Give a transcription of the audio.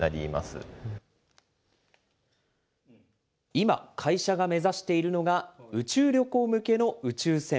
今、会社が目指しているのが、宇宙旅行向けの宇宙船。